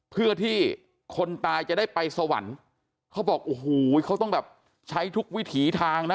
เพื่อที่คนตายจะได้ไปสวรรค์เขาบอกโอ้โหเขาต้องแบบใช้ทุกวิถีทางนะ